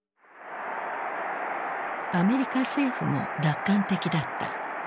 アメリカ政府も楽観的だった。